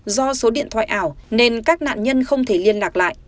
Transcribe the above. do số điện thoại ảo nên các nạn nhân không thể liên lạc lại